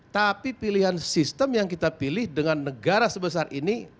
tapi pilihan sistem yang kita pilih dengan negara sebesar ini